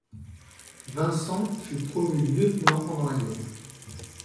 Vincent fut promu lieutenant pendant la guerre.